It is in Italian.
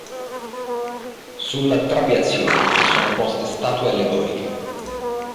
Sulla trabeazione sono poste statue allegoriche.